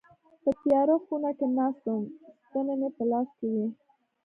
په تياره خونه کي ناست وم ستني مي په لاس کي وي.